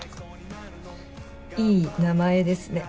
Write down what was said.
いい名前ですね。